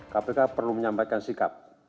kpk perlu menyampaikan sikap